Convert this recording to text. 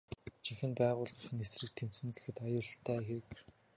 Жинхэнэ байгууллынх нь эсрэг тэмцэнэ гэхэд аюултай хэрэг.